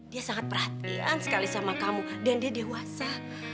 dia sangat perhatian sekali sama kamu dan dia dewasa